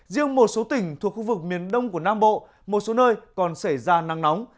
riêng một số tỉnh thuộc khu vực miền đông của nam bộ một số nơi còn xảy ra nắng nóng